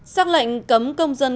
sắc lệnh cấm công dân